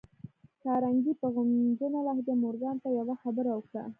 کارنګي په غمجنه لهجه مورګان ته يوه خبره وکړه.